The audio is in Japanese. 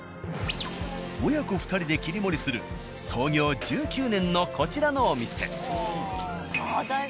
親子２人で切り盛りする創業１９年のこちらのお店。